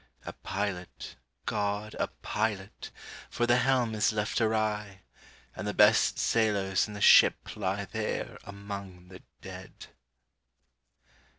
A pilot, GOD, a pilot! for the helm is left awry, And the best sailors in the ship lie there among the dead!"